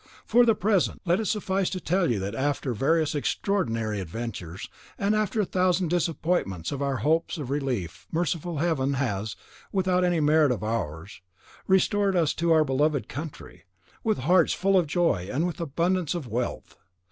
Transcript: For the present, let it suffice to tell you that after various extraordinary adventures, and after a thousand disappointments of our hopes of relief, merciful Heaven has, without any merit of ours, restored us to our beloved country, with hearts full of joy and with abundance of wealth.